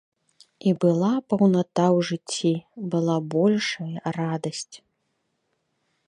І была паўната ў жыцці, была большая радасць.